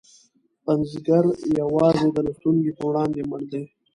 پنځګر یوازې د لوستونکي په وړاندې مړ دی.